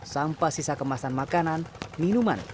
sampah sisa kemasan makanan minuman